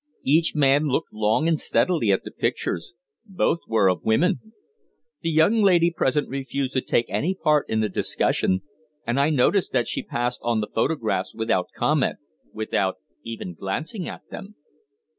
Each man looked long and steadily at the pictures both were of women. The young lady present refused to take any part in the discussion, and I noticed that she passed on the photographs without comment without even glancing at them."